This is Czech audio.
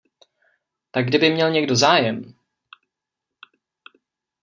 Tak kdyby měl někdo zájem...